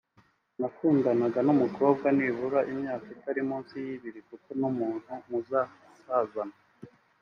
nakundana n’umukobwa nibura imyaka itari munsi y’ibiri kuko n’umuntu muzasazana